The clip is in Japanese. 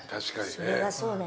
それはそうだね。